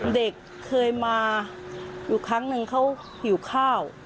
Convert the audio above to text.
เด็กเคยมาอยู่ครั้งหนึ่งเขาหิวข้าว